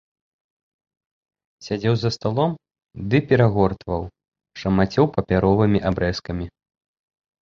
Сядзеў за сталом ды перагортваў, шамацеў папяровымі абрэзкамі.